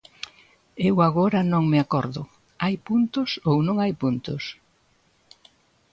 Eu agora non me acordo, ¿hai puntos ou non hai puntos?